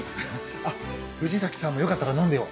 あっ藤崎さんもよかったら飲んでよ。